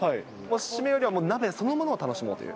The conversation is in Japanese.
締めよりは鍋そのものを楽しもうという。